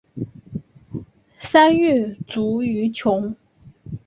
三月卒于琼。